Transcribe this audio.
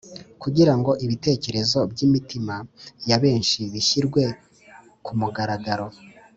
“kugira ngo ibitekerezo by’imitima ya benshi bishyirwe ku mugaragaro